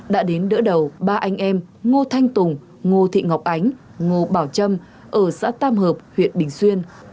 đã đến đỡ đầu ba anh em ngô thanh tùng ngô thị ngọc ánh ngô bảo trâm ở xã tam hợp huyện bình xuyên